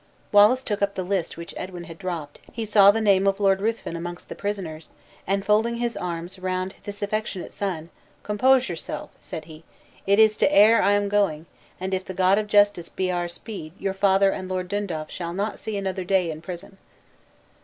Wallace took up the open list which Edwin had dropped; he saw the name of Lord Ruthven amongst the prisoners; and folding his arms round this affectionate son, "Compose yourself," said he, "it is to Ayr I am going; and if the God of Justice be our speed, your father and Lord Dundaff shall not see another day in prison."